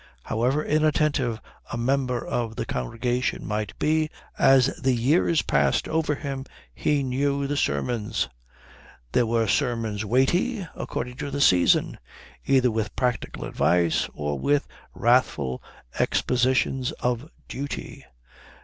However inattentive a member of the congregation might be, as the years passed over him he knew the sermons. They were sermons weighty, according to the season, either with practical advice or with wrathful expositions of duty.